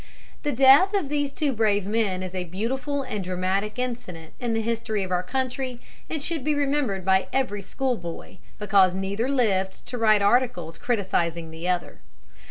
The death of these two brave men is a beautiful and dramatic incident in the history of our country, and should be remembered by every school boy, because neither lived to write articles criticising the other.